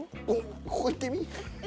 ここいってみ？